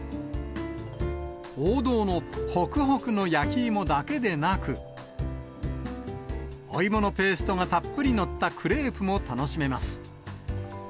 王道のほくほくの焼き芋だけでなく、お芋のペーストがたっぷり載ったクレープも楽しめます。